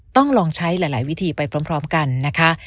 ต้องลองใช้หลายวิธีไปพร้อมกันนะคะ